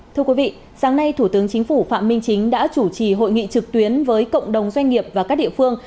thưa quý vị sáng nay thủ tướng chính phủ phạm minh chính đã chủ trì hội nghị trực tuyến với cộng đồng doanh nghiệp và các địa phương